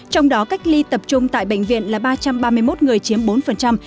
trong đó cách ly tập trung tại bệnh viện là ba trăm ba mươi một người chiếm bốn